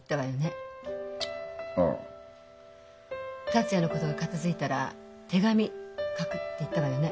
達也のことが片づいたら手紙書くって言ったわよね？